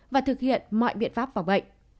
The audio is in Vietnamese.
và thực hiện mọi biện pháp phòng bệnh